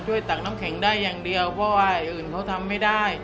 ตักน้ำแข็งได้อย่างเดียวเพราะว่าอื่นเขาทำไม่ได้